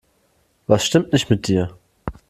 Was stimmt nicht mit dir?